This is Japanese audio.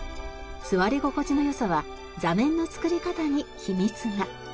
座り心地の良さは座面の作り方に秘密が。